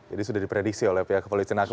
jadi sudah diprediksi oleh pihak kepolisian